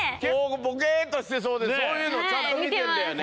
ボケッとしてそうでそういうのちゃんと見てんだよね。